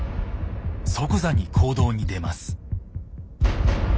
即座に行動に出ます。